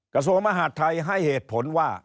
กระโสมหาธัยให้เหตุผลว่า